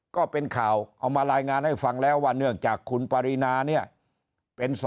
ก็เป็นข่าวเอามารายงานให้ฟังแล้วว่าเนื่องจากคุณปรินาเนี่ยเป็น